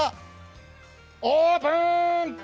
蓋オープン！